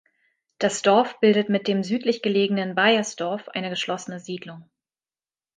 Das Dorf bildet mit dem südlich gelegenen Baiersdorf eine geschlossene Siedlung.